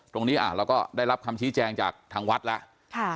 เราก็ได้รับคำชี้แจงจากทางวัดแล้ว